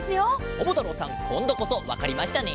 ももたろうさんこんどこそわかりましたね？